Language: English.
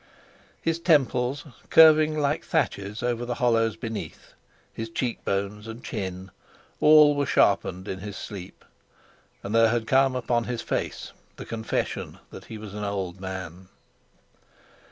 His temples, curving like thatches over the hollows beneath, his cheek bones and chin, all were sharpened in his sleep, and there had come upon his face the confession that he was an old man.